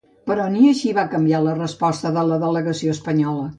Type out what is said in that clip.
Però ni així van canviar la resposta de la delegació espanyola.